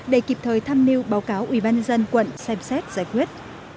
để kịp thời thăm niêu báo cáo ubnd quận xem xét giải quyết